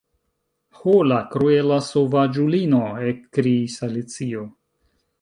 "Ho, la kruela sovaĝulino," ekkriis Alicio.